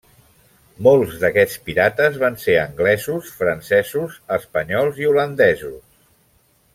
Molts d'aquests pirates van ser anglesos, francesos, espanyols i holandesos.